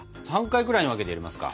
３回くらいに分けて入れますか？